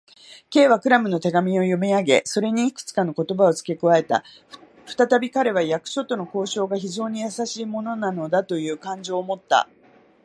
Ｋ はクラムの手紙を読みあげ、それにいくつかの言葉をつけ加えた。ふたたび彼は、役所との交渉が非常にやさしいものなのだという感情をもった。